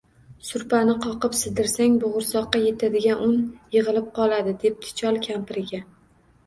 — Suprani qoqib-sidirsang, bo’g’irsoqqa yetadigan un yig’ilib qoladi, — debdi chol kampiriga